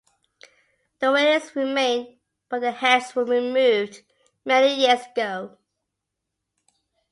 The railings remain but the heads were removed many years ago.